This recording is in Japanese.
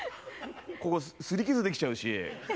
ここ、すり傷できちゃうし。